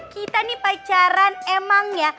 kita nih pacaran emangnya